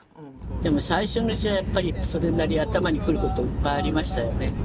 でも最初のうちはやっぱりそれなりに頭にくることいっぱいありましたよね。